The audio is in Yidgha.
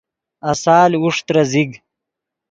آسال اوݰ ترے زیگ